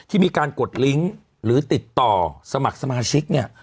ที่มีการกดลิงค์หรือติดต่อสมัครสมาชิกเนี่ย